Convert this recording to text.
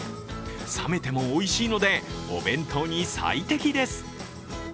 冷めてもおいしいのでお弁当に最適です。